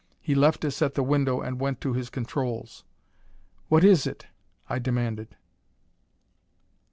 He left us at the window and went to his controls. "What is it?" I demanded.